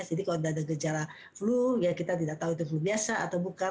jadi kalau udah ada gejala flu ya kita tidak tahu itu flu biasa atau bukan